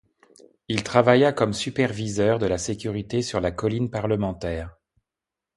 Il travailla comme superviseur de la sécurité sur la colline parlementaire.